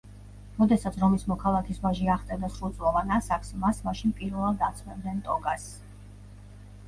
როდესაც რომის მოქალაქის ვაჟი აღწევდა სრულწლოვან ასაკს, მას მაშინ პირველად აცმევდნენ ტოგას.